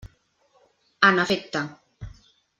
En efecte.